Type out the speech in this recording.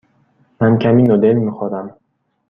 من کمی نودل می خورم.